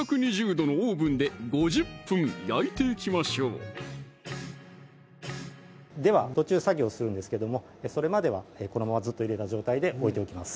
℃のオーブンで５０分焼いていきましょうでは途中作業するんですけどもそれまではこのままずっと入れた状態で置いておきます